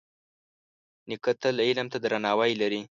نیکه تل علم ته درناوی لري.